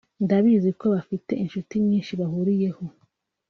ndabizi ko bafite inshuti nyinshi bahuriyeho